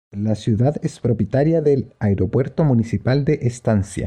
La ciudad es propietaria del "Aeropuerto Municipal de Estancia".